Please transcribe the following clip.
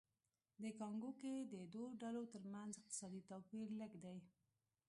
د کانګو کې د دوو ډلو ترمنځ اقتصادي توپیر لږ دی